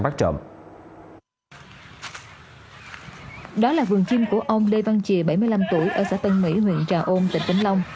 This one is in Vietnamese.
hai mươi năm tuổi ở xã tân mỹ huyện trà ôn tỉnh vĩnh long